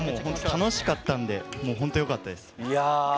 楽しかったんで本当、よかったです。